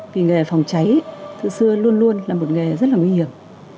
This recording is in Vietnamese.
vì nghề phòng cháy từ xưa luôn luôn là một nghề rất nguy hiểm